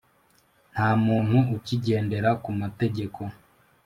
Nta muntu ukigendera kuma tegeko